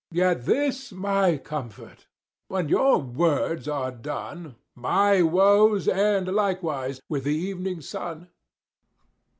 _ Yet this my comfort: when your words are done, My woes end likewise with the evening sun.